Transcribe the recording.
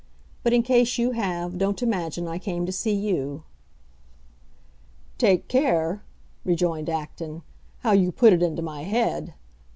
But, in case you have, don't imagine I came to see you." "Take care," rejoined Acton, "how you put it into my head!